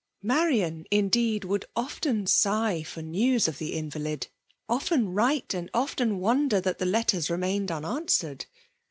Marian, indeed, would often sigh for news of the invalid— often write and often wonder that her letters remained unanswered.